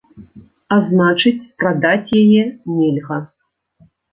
А значыць, прадаць яе нельга.